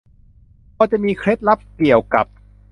พอจะมีเคล็ดลับเกี่ยวกับ